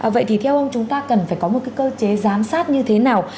vậy thì theo ông chúng ta cần phải có một cái cơ chế giám sát như thế nào